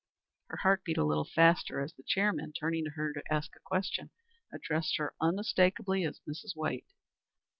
Her heart beat a little faster as the chairman, turning to her to ask a question, addressed her unmistakably as Mrs. White.